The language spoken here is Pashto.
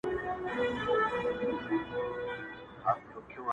دی ها دی زه سو او زه دی سوم بيا راونه خاندې.